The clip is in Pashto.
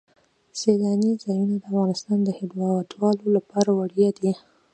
سیلانی ځایونه د افغانستان د هیوادوالو لپاره ویاړ دی.